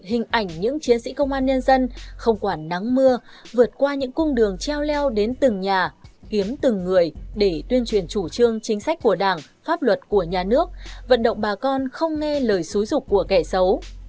hình ảnh những chiến sĩ công an nhân dân không quản nắng mưa vượt qua những cung đường treo leo đến từng nhà kiếm từng người để tuyên truyền chủ trương chính sách của đảng pháp luật của nhà nước vận động bà con không nghe lời xúi dục của kẻ xấu